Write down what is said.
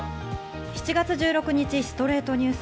７月１６日、『ストレイトニュース』。